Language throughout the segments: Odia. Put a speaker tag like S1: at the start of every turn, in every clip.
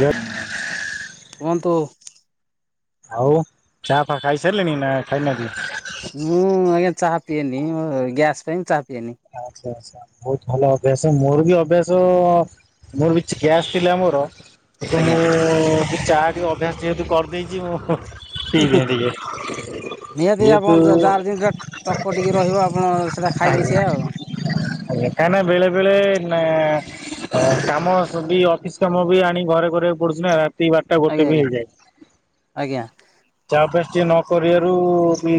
S1: ଜୟ।
S2: କୁହନ୍ତୁ?
S1: ଆଉ ଚା ଫା ଖାଇ ସାରିଲେଣିି ନା ଖାଇ ନାହାନ୍ତି।
S2: କିଏ ମୁଁ ଗ୍ୟାସ ପାଇଁ ଚା ପିଏନି।
S1: ଆଚ୍ଛା ବହୁତ ଭଲ ଅଭ୍ୟାସ ମୋର ବି ଅଭ୍ୟାସ ମୋର ବି ଗ୍ୟାସ ଥିଲା ମୋର ସେ ମୁଁ
S2: ଆଜ୍ଞା
S1: ଚା ଟିକେ ଅଭ୍ୟାସ ଯେହେତୁ କରିଦେଇଛି ମୁଁ ପିଇବି ଟିକେ।
S2: ନିହାତି
S1: ଯେହେତୁ
S2: ଆପଣ ଯାହାର ଜିନି ଟକ ଟିକେ ରହିବ ଆପଣ ସେଇଟା ଖାଇବେ ସେଇଆ।
S1: ତାହାନେ ବେଳେବେେଳେ ନ କାମ ସବୁ ଅଫିସ କାମ ବି ଆଣି ଘରେ କରିବାକୁ ପଡୁଛି ନା। ତି ବାର ଟା
S2: ଆଜ୍ଞା
S1: ଗୋଟେ ବି
S2: ଆଜ୍ଞା
S1: ହେଇଯାଏ।
S2: ଆଜ୍ଞା
S1: ଚା ଅଭ୍ୟାସ ଟିକେ ନ କରିବାରୁ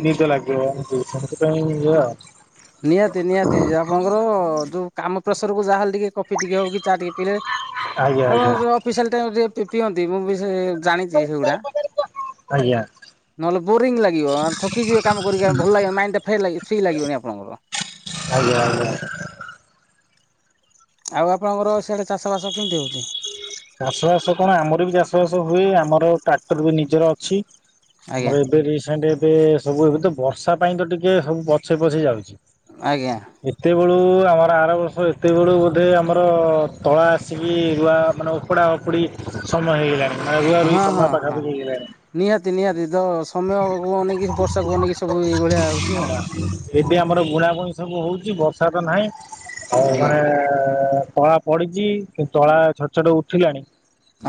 S1: ନିଦ ଲାଗିବ [unintelligible] ଆଉ।
S2: ନିହାତି ନିହାତି ଇଏ ଆପଣଙ୍କର ଯୋଉଁ କାମ ପ୍ରେସରକୁୁ ଯାହାହେଲେ ଟିକେ କଫି ଟିକେ ହଉ କି ଚା ଟିକେ ପିଇଲେ
S1: ଆଜ୍ଞା
S2: ଆଉ
S1: ଆଜ୍ଞା
S2: ଅଫିସିଆ ଟାଇମ ପିଅନ୍ତି ମୁଁ ବି ସେ ଜାଣିଛି ସେଗୁଡା।
S1: ଆଜ୍ଞା
S2: ନହେଲେ ବୋରିଙ୍ଗ ଲାଗିବ ଥକିଯିବେ କାମ କରି ଭଲ ଲିବ ମଇଣ୍ଡ ଟା ଫ୍ରେଶ ଲାଗି
S1: ଆଜ୍ଞା ଆଜ୍ଞା।
S2: ଆଉ ଆପଣଙ୍କର ସିଆଡେ ଚାଷ ବାସ କେମିତି ହଉଛି?
S1: ଚାସବାସ ହୁଏ ଆମର ଟ୍ରାକ୍ଟର ବି ନିଜର ଅଛି
S2: ଆଜ୍ଞା
S1: ଆମର ଏବେ ରିସେଣ୍ଟ ଏବେ ସବୁ ଏବେ ତ ବର୍ଷା ପାଇଁ ତ ଟିକେ ସବୁ ପଛେଇ ପଛେଇ ଯାଉଛି।
S2: ଆଜ୍ଞା
S1: ଏତେବେଳୁ ଆମର ଆର ବର୍ଷ ହଁ ଏତେବେଳୁ ବୋଧେ ଆମର ତଳା ଆସିକି ରୁଆ ମାନେ ଉପଡ଼ା ଉପୁଡ଼ି ସମୟ ହେଇଗଲାଣି ମାନେ ରୁଆ ରୁଇ
S2: ହଁ
S1: ସମୟ
S2: ହଁ ହଁ।
S1: ପାଖାପାଖି ହେଇଗଲାଣି।
S2: ନିହାତି ନିହାତି ତ ସମୟ କୁ ନେଇକି ବର୍ଷାକୁୁ ନେଇକି ସବୁ ଏଇ ଭଳିଆ ହଉଛି ଆଉ।
S1: ଏବେ ଆମର ବୁଣାବୁଣି ସବୁ ହେଉଛି ବର୍ଷା ତ ନାହିଁ ଆଉ
S2: ଆଜ୍ଞା
S1: ମାନେ ତଳା ପଡିଛି କିନ୍ତୁ ତଳା ଛୋଟ ଛୋଟ ଉଠିଲାଣି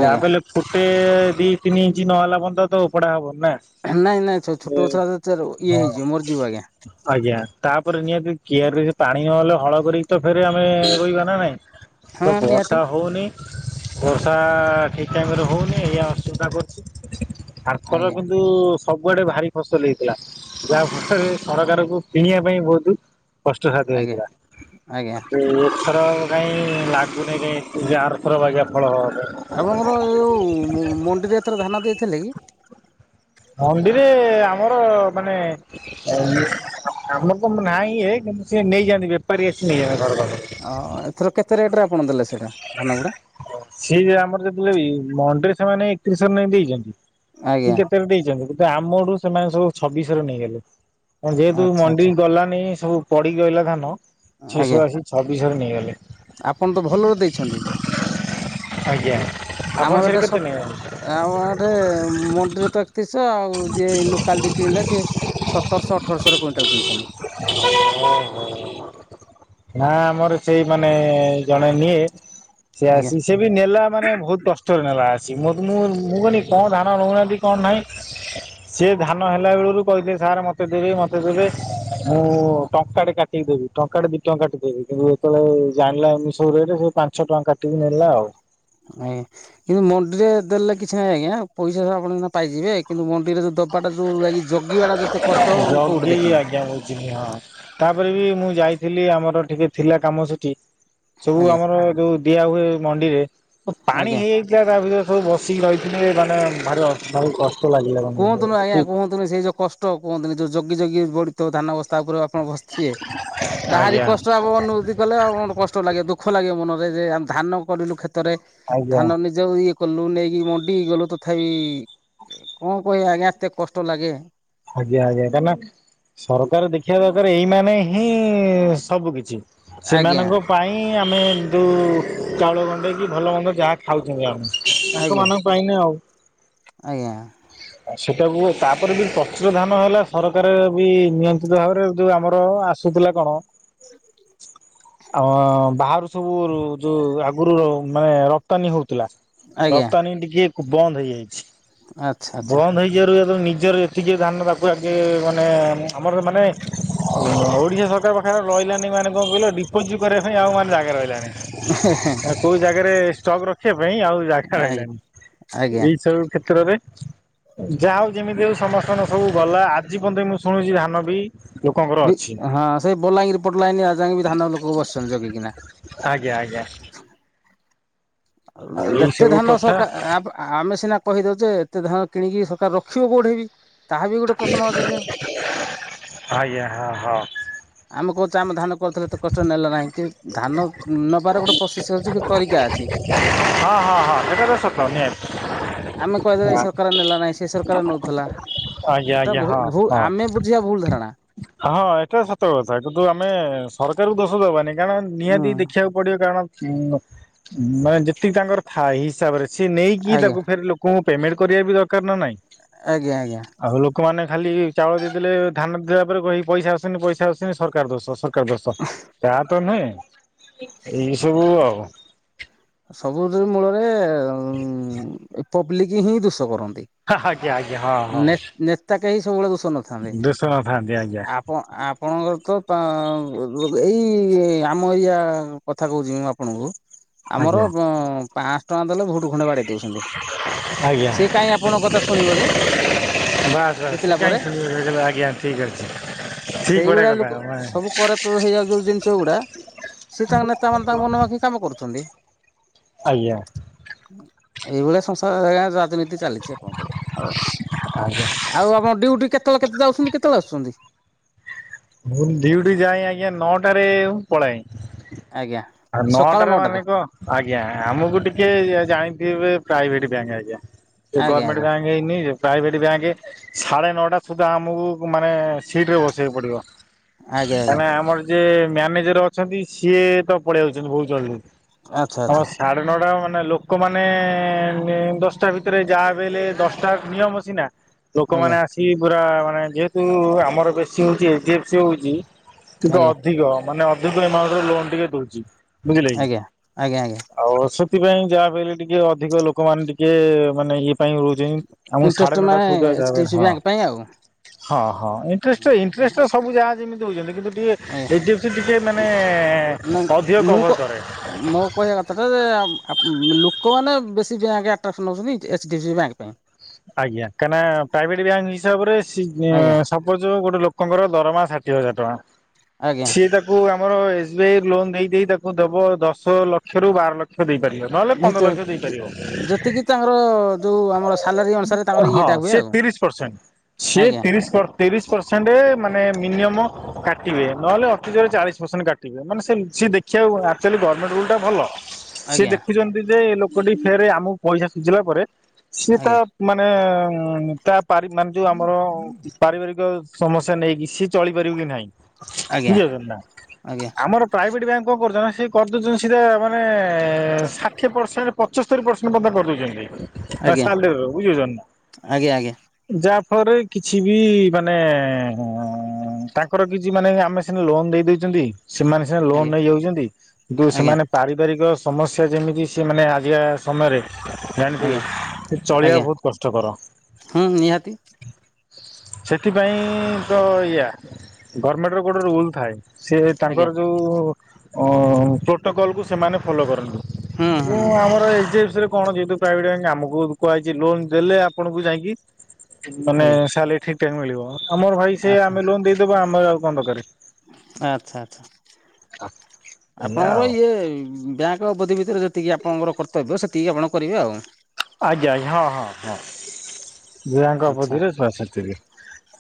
S1: ଯାହା
S2: ଆଜ୍ଞା
S1: ବି ହେଲେ ଗୋଟେ ଦୁଇ ତିନି ଇଞ୍ଚ ନହେଲା ବନ୍ଦ ତ ଉପଡ଼ା ହେବ।
S2: ନାଇଁ ନାଇଁ ଛୋଟ ଗଛରା ଇଏ
S1: ହଁ
S2: ହେଇଯିବ ମରିଯିବ ଆଜ୍ଞା
S1: ଆଜ୍ଞା ତା ପରେ ନିହାତି କିଆରି ସେ ପାଣି ନହେଲେ ହଳ କରି ତ ଫେରେ ଆମେ ରୋଇବା ନା ନାଇଁ ତ
S2: ହଁ ନିହାତି।
S1: ବର୍ଷା ହଉନି। ବର୍ଷା ଠିକ ଟାଇମ ରେ ହଉନି ଏଇଆ ଅସୁବିଧା କରୁଛି। ଆରଥର
S2: ଆଜ୍ଞା
S1: କିନ୍ତୁ ସବୁଆଡେ ଭାରି ଫସଲ ହେଇଥିଲା ଯାହା ଫଳରେ ସରକାରଙ୍କୁ କିଣିବା ପାଇଁ ବହୁତ କଷ୍ଟ ସାଧ୍ୟ
S2: ଆଜ୍ଞା
S1: ହେଇଥିଲା
S2: ଆଜ୍ଞା
S1: ଥର କାହିଁ ଲାଗୁନି କାଇଁ ଆରଥର ବାଜା ଫଳ ପାଇଁ।
S2: ଆପଣଙ୍କର ଯୋଉ ମଣ୍ଡିରେ ଏଥର ଧାନ ଦେଇଥିଲେ କି?
S1: ମଣ୍ଡିରେ ଆମର ମାନେ ଆମ ତ ନାହିଁଇଏ କିନ୍ତୁ ସେ ନେଇଯାନ୍ତି ବେପାରୀ ଆସି ନେଇଯାଆନ୍ତି। ଘର ପାଖରୁ।
S2: ଓ ଏଥର କେତେ ରେଟ ରେ ଆପଣ ଦେଲେ ସେଟା?
S1: ସେ ଯେ ଆମର ଯେତେବେଳେ ମଣ୍ଡିରେ ସେମାନେ ଏକତିରିଶ ନାଖେ ଦେଇଛନ୍ତି।
S2: ଆଜ୍ଞା
S1: କି କେତେ ଦେଇଛନ୍ତି କିନ୍ତୁ ଆମଠୁ ସେମାନେ ସବୁ ଛବିଶ ଶହ ରେ ନେଇଗଲେ। ଯେହେତୁ
S2: ଆଚ୍ଛା
S1: ମଣ୍ଡି
S2: ଆଚ୍ଛା
S1: ଗଲାନି ସବୁ ପଡି ଗହଲା ଧାନ ସେ! ! ! !
S2: ଆଜ୍ଞା।
S1: ସବୁ ଆସିକି ଛବିଶ ଶହ ରେ ନେଇଗଲେ।
S2: ଆପଣ ତ ଭଲରେ ଦେଇଛନ୍ତି।
S1: ଆଜ୍ଞା ଆପଣ ସେଇଠି କେତେ ନିଅନ୍ତି?
S2: ଆଉଟେ ମଣ୍ଡିରେ ତ ଛତିସ ଆଉ ଯିଏ ଲୋକାଲ କିଣିଲା ସେ ସତ ଶହ ଅଠରଶହ କୁଇଣ୍ଟାଲ କିଣୁଛନ୍ତି।
S1: ନା ଆମର ସେଇ ମାନେ ଜଣେ ନିଏ ସେ
S2: ଆଜ୍ଞା।
S1: ଆସି ସେ ବି ନେଲା ମାନେ ବହୁତ କଷ୍ଟରେ ନେଲା ଆସି [unintelligible] ମୁଁ ମୁଁ କହିନି କଣ ଧାନ ନଉନାହାନ୍ତି କଣ ନାହିଁ। ସିଏ ଧାନ ହେଲା ବେଳରୁ କ କହିଥିଲେ ସାର୍ ମତେ ଦେବେ ମତେ ଦେବେ। ମୁଁ ଟଙ୍କା ଟେ କାଟିକି ଦେବି ଟଙ୍କାଟେ ଦିଇ ଟଙ୍କା କାଟି ଦେବି କିନ୍ତୁ ଯେତେବେଳେ ଜାଣିଲା ଏମିତି ସବୁ ରେଟ ସେ ପାଞ୍ଚ ଟଙ୍କା କାଟିକି ନେଲା ଆଉ।
S2: ଆଜ୍ଞା କିନ୍ତୁ ମଣ୍ଡିରେ ଦେଲେ କିଛି ନାହିଁ ଆଜ୍ଞା ପଇସା ଆପଣ ପାଇଯିବେ କିନ୍ତୁ ମଣ୍ଡିରେ ଯଦି ମୁଁ କୋଉଠି
S1: ଜଲଗି
S2: ଦେଖିନି
S1: ଆଜ୍ଞା ବୁଝିନି ହଁ ତାପରେ ବି ମୁଁ ଯାଇ ଥିଲି ଆମର ଟିକେ ଥିଲା କାମ ସେଠି ସବୁ
S2: ଆଜ୍ଞା
S1: ଆମର ଯୋଉ ଦିଆ ହୁଏ ମଣ୍ଡିରେ ପାଣି
S2: ଆଜ୍ଞା
S1: ହେଇଯାଇଥିଲା ତା ଭିତରେ ସବୁ ବସିକି ରହିଥିଲେ ମାନେ ଭାରି କଷ୍ଟ ଲାଗିବ
S2: କୁହନ୍ତୁନି
S1: ନିଜକୁ
S2: ଆଜ୍ଞା କୁହନ୍ତୁନି ସେ ଯୋଉ କଷ୍ଟ କୁହନ୍ତିନି ଯୋଉ ଯବି ଯବି ବଢ଼ିଥିବ ଧାନ ବ ତାପରେ ଆପଣ ବସିଥିବେ ତାହାରି
S1: ଆଜ୍ଞା
S2: କଷ୍ଟ ଆବ ଅନୁଭୂତି କଲେ ଆ କ କଷ୍ଟ ଲାଗେ ଦୁଃଖ ଲାଗେ ମନ ସେ ଧାନ କଲୁ କ୍ଷେତରେ
S1: ଆଜ୍ଞା।
S2: ଧାନ ନିଜ ଇଏ କଲୁ ନେଇକି ମଣ୍ଡି ଗଲୁ ତଥାପି କଣ କହେ ଆଜ୍ଞା ଏତେ କଷ୍ଟ ଲାଗେ।
S1: ଆଜ୍ଞା ଆଜ୍ଞା ସରକାର ଦେଖିବା ଦରକାର ଏଇ ମାନେ ହିଁ ସବୁ କିଛି।
S2: ଆଜ୍ଞା
S1: ସେମାନଙ୍କ ପାଇଁ ଆମେ ଯେଉ ଚାଉଳ ଗଣ୍ଡେଇକି ଭଲ ମନ୍ଦ ଯାହା ଖାଉ ତାଙ୍କ
S2: ଆଜ୍ଞା
S1: ମାନଙ୍କୁ ପାଇନୁ ଆଉ।
S2: ଆଜ୍ଞା
S1: ସେଟାକୁ ତାପରେ ବି ପ ଯୋଉ ଧାନ ହେଲା ସରକାର ବି ନିୟନ୍ତିିତ ଭାବରେ ଯୋଉ ଆମର ଆସୁଥିଲା କଣ ଆ ବାହାରୁ ସବୁ ଯୋଉ ଆଗରୁ ମାନେ ରପ୍ତାନୀ ହଉ ଥିଲା
S2: ଆଜ୍ଞା
S1: ରପ୍ତାନୀ ଟିକେ କୁ ବନ୍ଦ ହେଇଯାଇଛି
S2: ଆଚ୍ଛା ଆଚ୍ଛା
S1: ବନ୍ଦ ହେଇଯିବାରୁ ଯେତେବେ ନି ନିଜର ଏଥିକି ଧାନ ଆଜି ଆଗେ ମାନେ ଆମର ମାନେ ଓ ଓଡ଼ିଶା ସରକାର ପାଖରେ ରହିଲାନି ମାନେ କଣ କହିଲ ଡ଼ିପୋଜିଟ୍ କରିବା ପାଇଁ ଆଉ ମାନେ [unintelligible] ରହିଲାନି। ଆଉ କୋଉ ଜାଗାରେ ଷ୍ଟକ୍ ରଖ ଖିବା ପାଇଁ ଆଉ ଜାଗା
S2: ଆଜ୍ଞା
S1: ରହିଲାନି
S2: ଆଜ୍ଞା
S1: ଏଇ ସବୁ କ୍ଷେତ୍ରରେ ଯା ହଉ ଯେମିତି ସମସ୍ତେ ଗଲା ଆଜି ପନ୍ତେ ମୁଁ ଶୁଣୁଛି ଧାନ ବି ଲୋକଙ୍କର
S2: ବି
S1: ଅଛି।
S2: ହଁ ସେ ବଲାଙ୍ଗିରି ପଟ ଲାଇନି ଆଜି ଜାଙ୍କେ ବି ଧାନ ଲୋକ ବସିଛନ୍ତି ଜଗିକିନା।
S1: ଆଜ୍ଞା ଆଜ୍ଞା। ଆଉ
S2: ଅ
S1: ଏଇ
S2: ଏତେ
S1: ସବୁ
S2: ଧାନ
S1: କଥା
S2: ସକାସେ ଆ ଆମେ ସିନା କହି ଦଉଚେ ଏତେ ଧାନ କିଣିକି ସରକାର ରଖିବ କୋଉଠି ବି ତାହା ବି ଗୋଟେ ପ୍ରଶ୍ନ ବାଚୀ ଯ
S1: ଆଜ୍ଞା ହଁ ହଁ।
S2: ଆମେ କହୁଛେ ଆମେ ଧାନ କରିଥିଲେ ତ କଷ୍ଟ ନେଲ କାହିଁକି ଧାନ ନବାର ଗୋଟେ ପ୍ରୋସେସ ଅଛି କି ତରିକା ଅଛି।
S1: ହଁ ହଁ ହଁ ସେଟା ତ ସତ ନିହାତି
S2: କାର ନଉଥିଲା
S1: ଆଜ୍ଞା
S2: ଏଟା
S1: ଆଜ୍ଞା
S2: ଭୁ
S1: ହଁ
S2: ଭୁ
S1: ହଁ।
S2: ଆମେ ବୁଝିବା ଭୁଲ ଧା
S1: ହଁ ଏଟା ସତ କଥା କିନ୍ତୁ ଆମେ ସରକାର କୁ ଦୋଷ ଦବାନି। କାରଣ
S2: ହୁଁ
S1: ନିହାତି ଦେଖିବାକୁ ପଡ଼ିବ କାରଣ ଉ ମାନେ ଯେତିକି ତାଙ୍କର ଥାଏ ହିସାବରେ ସି ନେଇକି
S2: ଆଜ୍ଞା
S1: ତାକୁ ଫେର ଲୋକଙ୍କୁ ପେମେଣ୍ଟ କରିବା ବି ଦରକାର ନା ନାହିଁ।
S2: ଆଜ୍ଞା ଆଜ୍ଞା।
S1: ଖାଲି ଚାଉଳ ଦେଇ ଦେଲେ ଧାନ ଦେବା ପରେ କହି ପଇସା ଆସୁନି ପଇସା ଆସୁନି ସରକାର ଦୋଷ ସ ଏକା ଦୋଷ ତା ତ ନୁହେଁ ଏଇ ସବୁ ଆଉ।
S2: ସବୁଦି ମୂଳରେ ଏ ପବ୍ଲିକ୍ ହିଁ ଦୋଷ କର
S1: ହା ଆଜ୍ଞା ଆଜ୍ଞା। ହଁ ହଁ
S2: ନେ ନେତା କାହିଁ ସବୁବେଳେ ଦୋଷ ନଥାନ୍ତି
S1: ଦୋଷ ନଥାନ୍ତି ଆଜ୍ଞା।
S2: ଆପଣ ଆପଣଙ୍କର ତ ପାଆ ରୁ ଏଇ ଆମ ଇଆ କଥା କହୁଛି ମୁଁ ଆପଣଙ୍କୁ। ଆମର
S1: ଆଜ୍ଞା
S2: ମ ପାଶହ ଟଙ୍କା ଦେଲେ ଭୋଟ ଖଣ୍ଡେ ବାଡ଼େ ଇ ଦଉଛନ୍ତି
S1: ଆଜ୍ଞା
S2: ସେ କାହିଁ ଆପଣଙ୍କ କଥା ଶୁଣିବ ଯେ। ଜିତିଲା ପରେ ! ! ! ! ! ! ! ! ! ! ସେଇଭଳିଆ ଲୋକ ସବୁ କରରେପଟ ହେଇଯାଉଚନ୍ତି ଜିନିଷକୁ ପଡ଼ା ସିଏ ତାଙ୍କ ନେତା ମାନେ ତାଙ୍କ ମନେ ମାଖି କାମ କରୁଛନ୍ତି।
S1: ଆଜ୍ଞା।
S2: ଏଇଭଳିଆ ସଂସ ଆ ରାଜନୀତି ଚାଲିଛି କଣ କରିବା ହଉ।
S1: ଆଜ୍ଞା।
S2: ଆଉ ଆପଣ ଡ୍ୟୁଟି କେତେବେଳେ କେତେ ଯାଉଛନ୍ତି କେତେବେଳେ ଆସୁଛନ୍ତି?
S1: ବେ ପଳାଏଁ।
S2: ଆଜ୍ଞା
S1: ଆଉ ନଅଟାରେ ମାନେ କ ଆଜ୍ଞା ଆମକୁ ଟିକେ ଏ ଜାଣିଥିବେ। ପ୍ରାଇଭେଟ ବ୍ୟାଙ୍କେ ଆଜ୍ଞା
S2: ଆଜ୍ଞା
S1: ଗର୍ମେଣ୍ଟ
S2: ଆଜ୍ଞା
S1: ବ୍ୟାଙ୍କେ ହେଇନି ଯେ ପ୍ରାଇଭେଟ ବ୍ୟାଙ୍କେ ସାଢ଼େ ନଅଟା ସୁଦ୍ଧା ଆମକୁ ମାନେ ସିଟରେ ବସିବାକୁ ପଡ଼ିବ।
S2: ଆଜ୍ଞା ଆଜ୍ଞା।
S1: ଯେ ମ୍ୟାନେଜର ଅଛନ୍ତି ସିଏ ତ ପଳେଇ ଆସୁଛନ୍ତି ବହୁତ ଜଳଦି।
S2: ଆଚ୍ଛା
S1: ହ
S2: ଆଚ୍ଛା
S1: ସାଢ଼େ ନଅଟା ମାନେ ନା ଲୋକମାନେ ଏ ଦଶଟା ଭିତରେ ଯାହାବି ହେଲେ ଦଶଟା ନିୟମ ସିନା ଲୋକମାନେ
S2: ଆଜ୍ଞା
S1: ଆସି ପୁରା ମାନେ ଯେହେତୁ ଆମର ବେଶୀ ହଉଚି ଏଜେନ୍ସି ହଉଛି। ଟିକେ
S2: ଆଜ୍ଞା
S1: ଅଧିକ ମାନେ ଅଧିକ ଏମାଉଣ୍ଟର ଲୋନ ଟିକେ ଦଉଛି। ବୁଝିଲେ କି।
S2: ଆଜ୍ଞା ଆଜ୍ଞା ଆଜ୍ଞା।
S1: ଆଉ ସ ସେଥିପାଇଁ ଯାହାବି ହେଲେ, ଟିକେ ଅଧିକ ଲୋକମାନେ ଟିକେ, ମାନେ ଇଏ ପାଇଁ ରହୁଛି, ଆମକୁ ସାଢ଼େ
S2: ଇଣ୍ଟରେଷ୍ଟ
S1: ନଅଟା
S2: ମାନେ
S1: ସୁଦ୍ଧା ଯାହା
S2: H D
S1: B,
S2: F C
S1: ହଁ।
S2: ବ୍ୟାଙ୍କ ପାଇଁ ଆଉ
S1: ହଁ ହଁ। ଇଣ୍ଟ୍ରେଷ୍ଟ ଇଣ୍ଟ୍ରେଷ୍ଟ ସବୁ ଯାହା ଯେମିତି ହେଉଛନ୍ତି। କିନ୍ତୁ ଟିକି
S2: ଆଜ୍ଞା
S1: ଏଫ୍ ଡି ଏସ୍ ଟିକେ ମାନେ
S2: ନାଇଁ
S1: ଅଧିକ
S2: ମୁଁ କ
S1: କଭର୍ କରେ।
S2: ମୋ କହିବା କଥାଟା ଯେ, ଆପ ଲୋ କୋ, ମାନେ ବେଶୀ୍ ବ୍ୟାଙ୍କ୍ ଆଟାଚ ନେଉଛନ୍ତି, H D F C bank ପାଇଁ।
S1: ଆଜ୍ଞା କାଁହିଁ କିନା ପ୍ରାଇଭେଟ ବ୍ୟାଙ୍କ ହିସାବରେ
S2: ଆଜ୍ଞା
S1: ସି-ସୋପୋଚ ଗୋଟେ ଲୋ କଙ୍କର ଦରମା ଷାଠିଏ ହଜାର
S2: ଆଜ୍ଞା
S1: ଟଙ୍କା। ସିଏ ତାକୁ ଧର ଏସ୍ ବି ଆଇ ଲୋନ୍ ଦେଇ ଦେଇ ତାକୁ ଦେବ ଦଶ ଲକ୍ଷରୁ ବାର ଲକ୍ଷ ଦେଇ
S2: ଭିତରେ ଯେତିକି ତାଙ୍କର ଯୋଉ ଆମର ସାଲାରୀ ଅନୁସାରେ ତାଙ୍କର
S1: ହଁ
S2: ଇଏଟା ହୁଏ
S1: ସେ
S2: ଆଉ
S1: ତିରିଶ ପର୍ସେଣ୍ଟ। ସେ
S2: ଆଜ୍ଞା
S1: ତିରିଶ ପର୍ସେ- ତିରିଶ ପର୍ସେଣ୍ଟ ମାନେ ମିନି ମମ୍ କାଟିବେ ନହେଲେ ଅତି କମ୍ ରେ ଚଳିସି ପର୍ସେଣ୍ଟ କାଟିବେ। ମାନେ ସେ ଦେଖିବାକୁ ଆକ୍ଚୁଆଲି ଗୋର୍ମେଣ୍ଟ୍ ରୁଲ ଟା ଭଲ। ସିଏ
S2: ଆଜ୍ଞା
S1: ଦେଖୁଛନ୍ତି ଯେ, ଏ ଲୋକଟି ଫେରେ ଆମକୁ ପଇସା ସୁୁଝିଲା ପରେ ସିଏ ତା
S2: ଆଜ୍ଞା
S1: ମାନେ ତା ପାରି ମାନେ ଯୋଉ ଆମର ପାରିବାରିକ ସମସ୍ୟା ନେଇକି ସିଏ ଚଳିପାରିବ କି ନାହିଁ?
S2: ଆଜ୍ଞା
S1: ବୁଝିପାରୁଛନ୍ତି ନା।
S2: ଆଜ୍ଞା
S1: ଆମର ପ୍ରାଇଭେଟ ବ୍ୟାଙ୍କ୍ କଣ କରୁଛନ୍ତି ନା ସେ କରିଦେଉଛନ୍ତି ସେଇଟା ମାନେ ଷାଠିଏ ପର୍ସେଣ୍ଟ ପଚସ୍ତରୀ ପର୍ସେଣ୍ଟ ବୋଧେ କରିଦଉଛନ୍ତି?
S2: ଆଜ୍ଞା
S1: [unintelligible]
S2: ଆଜ୍ଞା ଆଜ୍ଞା।
S1: ଯାହା ଫଅରେ କିଛି ବି ମାନେ ହଁ ତାଙ୍କର କିଛି ମାନେ ଆମେ ସିନା ଲୋନ ଦେଇଦେଇଛନ୍ତି। ସେମାନେ ସିନା ଲୋନ୍ ନେଇ ଯାଉଛନ୍ତି। କିନ୍ତୁ ସେମାନେ ପାରିବାରିକ ସମସ୍ୟା ଯେମିତି ସେ ମାନେ ଆଜିକା ସମୟରେ, ଜାଣିଥିବେ।
S2: ଆଜ୍ଞା
S1: ଚଳିବାକୁ
S2: ଆଜ୍ଞା ହୁଁ ନିହାତି।
S1: ସେଥିପାଇଁ ତ ଏଇଆ, ଗଭର୍ଣମେଣ୍ଟ ର ଗୋଟେ ରୁଲ ଥାଏ। ସେ
S2: ଆଜ୍ଞା
S1: ତାଙ୍କର ଯୋଉ ଅ ପ୍ରୋଟୋକଲ କୁ ସେମାନେ ଫଲୋ କରନ୍ତି।
S2: ହୁଁ ହୁଁ
S1: ଏବଂ ଆମର ଏସ୍ ଡି ଏଫ୍ ସି ରେ କଣ? ଯେହେତୁ ପ୍ରାଇଭେଟ୍ ଆମକୁ କୁହାଯାଇଛି ଯିଏ ଲୋନ ଦେଲେ, ଆପଣଙ୍କୁ ଯାଇକି ମାନେ
S2: ଆଜ୍ଞା
S1: ସାଲାରୀ ଠିକ୍ ଟାଇମ୍ ରେ ମିଳିବ। ସମର ଭାଇ ସେ ଆମେ ଲୋନ ଦେଇଦବୁ ଆମର ଆଉ କଣ ଦରକାର।
S2: ଆଛା ଆଛା।
S1: ଏଇଆ
S2: ଆପଣଙ୍କର
S1: ଆଉ
S2: ଇଏ ବ୍ୟାଙ୍କ୍ ବୋଧେ ବି ଏଥିରେ ଯେତିକି ଆପଣଙ୍କର କର୍ତ୍ତବ୍ୟ, ସେତିକି ଆପଣ କରିବେ ଆଉ।
S1: ଆଜ୍ଞା ଆଜ୍ଞା। ହଁ ହଁ ହଁ। ଛୁଆଙ୍କ
S2: ଆଚ୍ଛା
S1: ବୁଧିରେ ଛୁଆ ସେତିକି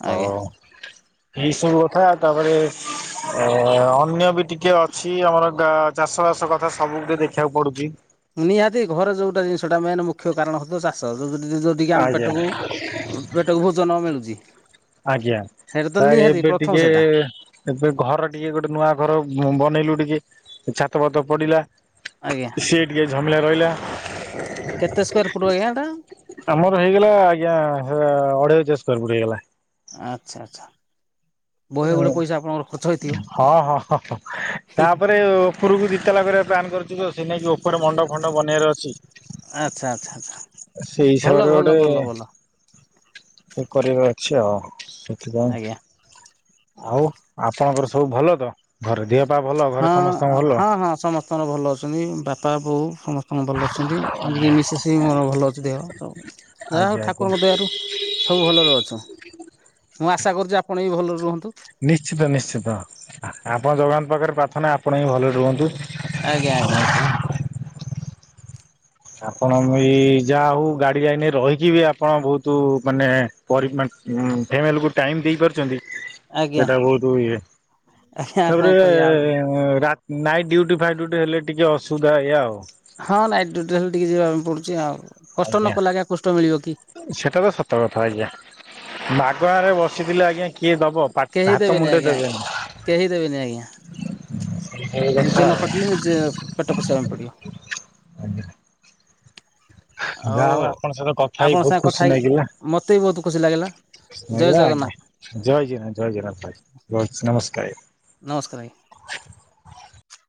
S2: ଆଜ୍ଞା।
S1: ହଉ। ଏଇ ସବୁ କଥା ତାପରେ ଅ-ଅନ୍ୟ ବି ଟିକେ ଅଛି। ଆମର ଗା ଚାଷବାସ କଥା ସବୁ ଗୁଡା ଦେଖିବାକୁ ପଡୁଛି।
S2: ନିହାତି ଘରେ ଯୋଉଟା ଜିନିଷଟା ମେନ ମୁଖ୍ୟ କାରଣ ହଉ ଥିବ ଚାଷ। ଯଦ କିି ଆମ
S1: ଆଜ୍ଞା
S2: ପେଟକୁ, ପେଟକୁ ଭୋଜନ ମିଳୁଛି।
S1: ଆଜ୍ଞା।
S2: ସେଇଟା ତ
S1: ସାର୍
S2: ନିହାତି
S1: ଏବେ
S2: ପ୍ରଥମ
S1: ଟିକେ,
S2: ସେଇଟା
S1: ଏବେ ଘର ଟିକେ ଗୋଟେ ନୂଆ ଘର ବନେଇଲୁ ଟିକେ କେ, ଛାତ, ପାତ ପଡିଲା।
S2: ଆଜ୍ଞା।
S1: ସିଏ ଟିକେ ଝାମଲା ରହିଲା।
S2: କେତେ ସ୍କୋୟାର ଫୁଟ ଆଜ୍ଞା ଏଟା
S1: ଆମର ହେଇଗଲା ଆଜ୍ଞା, ଅଢେଇସହ ସ୍କୋୟାର ଫୁଟ୍ ହେଇଗଲା।
S2: ଆଚ୍ଛା ଆଚ୍ଛା। ବହେ ଗୁଡେ ପଇସା ଆପଣଙ୍କର ଖର୍ଚ୍ଚ ହେଇଥିବ
S1: ହଁ ହଁ। ତାପରେ ଉପରକୁ ଦି ତାଲା କରିବା ପାଇଁ, ପ୍ଲାନ କରୁଛୁ ତ ସେ ନେଇକି ଉପରେ ମଣ୍ଡପ, ଫଣ୍ଡପ ବନିବାର ଅଛି।
S2: ଆଚ୍ଛା ଆଚ୍ଛା ଆଚ୍ଛା
S1: ସେଇ
S2: ଭଲ ଭଲ
S1: ହିସାବରେ
S2: ଭଲ ଭଲ
S1: ସେ କରିବାର ଅଛି ଆଉ, ସେଥିପାଇଁ।
S2: ଆଜ୍ଞା।
S1: ଆଉ ଆପଣଙ୍କର ସବୁ ଭଲ ତ? ଘରେ ଦେହ ପା ଭଲ ଘରେ
S2: ହଁ
S1: ସମସ୍ତଙ୍କ ଭଲ
S2: ହଁ ହଁ ସମସ୍ତଙ୍କର ଭଲ ଅଛନ୍ତି ବାପା ବୋଉ ସମସ୍ତଙ୍କ ଭଲ ଅଛନ୍ତି ଏମିତି ମିସେସ୍ ବି ମୋର ଭଲ ଅଛି ଦେହ ସବୁ ଯାହା ହଉ
S1: ଆଜ୍ଞା ଆଜ୍ଞା।
S2: ଠାକୁରଙ୍କ ଦେହରୁ ସବୁ ଭଲରେ ଅଛୁ ମୁଁ ଆଶା କରୁଛି ଆପଣ ବି ଭଲରେ ରୁହନ୍ତୁ
S1: ନିଶ୍ଚିତ ନିଶ୍ଚିତ ଆପଣ ଜଗନ୍ନାଥ ପାଖରେ ପ୍ରାର୍ଥନା ଆପଣ ହିଁ ଭଲରେ ରୁହନ୍ତୁ।
S2: ଆଜ୍ଞା ଆଜ୍ଞା।
S1: ଆପଣ ଏଇ ଯା ହଉ ଗାଡି ଯାଇନେ ରହିକି ବି ଆପଣ ବହୁତ ମାନେ ପରିମା ହଁ ଫ୍ୟାମିଲି କୁ ଟାଇମ ଦେଇ ପାରୁଛନ୍ତି?
S2: ଆଜ୍ଞା
S1: ସେଟା ବହୁତ ଇଏ
S2: ଆଜ୍ଞା କଣ
S1: ତାପରେ
S2: କରିବା ଆଉ
S1: ରା ନାଇଟି ଡ୍ୟୁଟି ଫାଇଟି ଡ୍ୟୁଟି ହେଲେ ଟିକେ ଅସୁବିଧା ଏଇୟା ଆଉ।
S2: ହଁ ନାଇଟ ଡିଉଟି ହେଲେ ଟିକେ ଯିବା ପାଇଁ ପଡୁଛି ଆଉ କଷ୍ଟ ନ କଲେ ଆଜ୍ଞା କୁଷ୍ଟ ମିଳିବ କି।
S1: ସେଟା ତ ସତ କଥା ଆଜ୍ଞା ମାଗଣା ରେ ବସିଥିଲେ ଆଜ୍ଞା କିଏ ଦବ ପା
S2: କେହି
S1: ଭାତ
S2: ଦେବେନି
S1: ମୁଣ୍ଡେ
S2: ଆଜ୍ଞା କେହି ଆଜ୍ଞା
S1: ଦେବେନି ସେଇ କଥା
S2: ନିଜେ ନ
S1: ଆଉ
S2: ଖଟିଲେ ନିଜେ ପେଟ ପୋଷିବା ପାଇଁ ପଡିବ।
S1: ଯାହା
S2: ଆଉ
S1: ହଉ ଆପଣଙ୍କ ସହିତ କଥା ହେଇ
S2: ଆପଣଙ୍କ
S1: ବହୁତ
S2: ସାଙ୍ଗେ କଥା
S1: ଖୁସି
S2: ହେଇ
S1: ନାଗିଲା।
S2: ମତେ ବି ବହୁତ ଖୁସି ଲାଗିଲା ଜୟ
S1: ଆଜ୍ଞା
S2: ଜଗନ୍ନାଥ
S1: ଜୟ [unintelligible] ଜୟ [unintelligible] ରହୁଛି ନମସ୍କାରେ।
S2: ନମସ୍କାର ଆଜ୍ଞା।
S1: [inaudible]